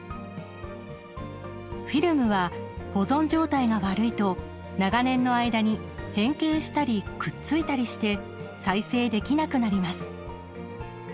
フィルムは保存状態が悪いと長年の間に変形したりくっついたりして再生できなくなります。